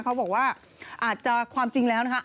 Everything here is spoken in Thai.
เขาบอกว่าอาจจะความจริงแล้วนะคะ